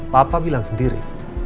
papa bilang sendiri